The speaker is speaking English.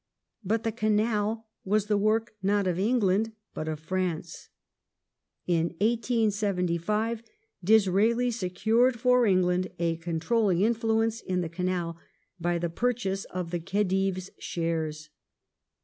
But the canal was the work not of England but of France. In 1875 Disraeli secured for England a controlling influence in the canal by the purchase of the Khedive's shares.